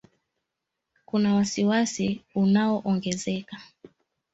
Kuna wasi wasi unaoongezeka